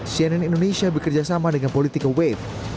cnn indonesia bekerjasama dengan political wave